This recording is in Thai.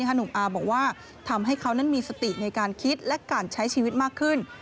หนุ่มอาบอกว่าทำให้เขานั้นมีสติในการคิดและการใช้ชีวิตมากขึ้น